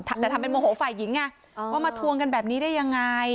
แต่ทำเป็นโมโหฝ่ายหญิงไงว่ามาทวงกันแบบนี้ได้ยังไง